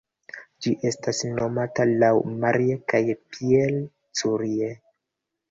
Ĝi estas nomata laŭ Marie kaj Pierre Curie.